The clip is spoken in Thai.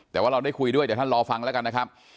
แต่ว่าเราได้คุยด้วยเดี๋ยวท่านรอฟังแล้วกันนะครับ